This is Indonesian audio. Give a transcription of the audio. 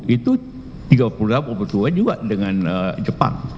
itu tiga puluh delapan berdua juga dengan jepang